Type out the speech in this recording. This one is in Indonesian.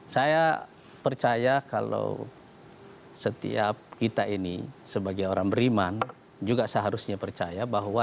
saya percaya kalau setiap kita ini sebagai orang beriman juga seharusnya percaya bahwa